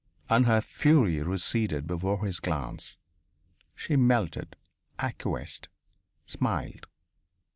And her fury receded before his glance; she melted, acquiesced, smiled.